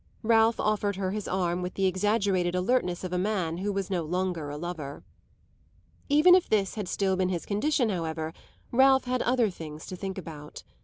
Ralph offered her his arm with the exaggerated alertness of a man who was no longer a lover. Even if this had still been his condition, however, Ralph had other things to think about.